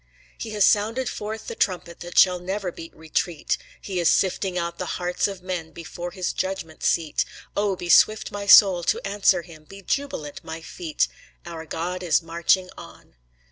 He has sounded forth the trumpet that shall never beat retreat; He is sifting out the hearts of men before his judgment seat; Oh! be swift, my soul, to answer him! be jubilant, my feet! Our God is marching on.